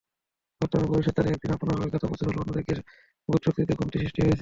বর্তমানে বয়সের ভারে একদিকে আপনার অভিজ্ঞতা প্রচুর হলেও অন্যদিকে বোধশক্তিতে কমতি সৃষ্টি হয়েছে।